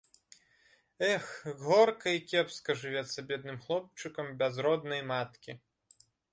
Эх, горка і кепска жывецца бедным хлопчыкам без роднай маткі!